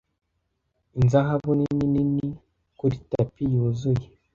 inzahabu nini nini kuri tapi yuzuye